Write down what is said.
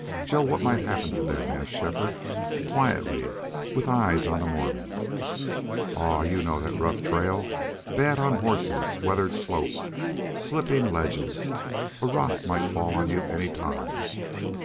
"Joe, what might happen to them?" asked Shefford, quietly, with eyes on the Mormon. "Aw, you know that rough trail. Bad on horses. Weathered slopes slipping ledges a rock might fall on you any time.